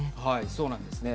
そうなんですね。